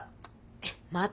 えっまた？